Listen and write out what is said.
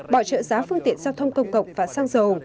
bỏ trợ giá phương tiện giao thông công cộng và sang dầu